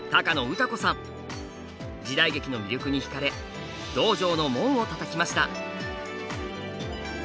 時代劇の魅力にひかれ道場の門をたたきました。